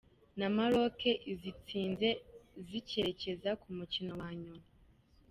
na Maroc izitsinze zikerekeza ku mukino wa nyuma.